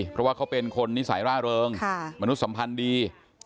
เพราะว่าเขาเป็นคนนิสัยร่าเริงมนุษย์สัมพันธ์ดี